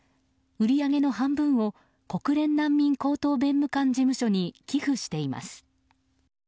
売り上げの半分を国連難民高等弁務官事務所に寄付しています。